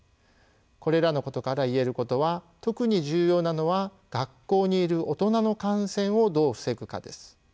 これらのことから言えることは特に重要なのは学校にいる大人の感染をどう防ぐかです。